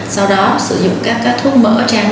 sau đó sử dụng các thuốc mỡ trang mắt như t chelicilin